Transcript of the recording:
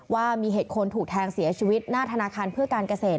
ว่ามีเหตุคนถูกแทงเสียชีวิตหน้าธนาคารเพื่อการเกษตร